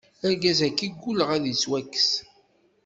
Argaz-agi ggulleɣ ar d ittwakkes.